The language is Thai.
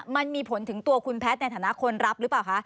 มันมีผลถึงตัวคุณแพทย์ในฐานะคนรับหรือเปล่าคะ